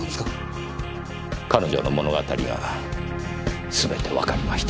彼女の物語がすべてわかりました。